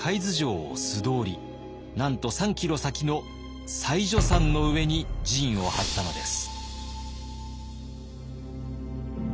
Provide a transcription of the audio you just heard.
なんと３キロ先の妻女山の上に陣を張ったのです。